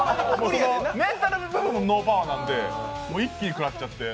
メンタル部分ノーパワーなんで一気に食らっちゃって。